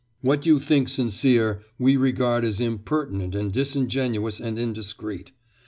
What you think sincere, we regard as impertinent and disingenuous and indiscreet....